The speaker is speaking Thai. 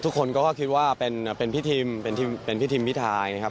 ทุกคนก็คิดว่าเป็นพิธิมพิธิมพิทา